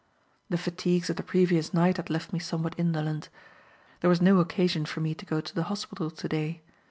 The fatigues of the previous night had left me somewhat indolent. There was no occasion for me to go to the hospital to day.